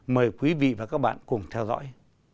mời quý vị và các bạn cùng theo dõi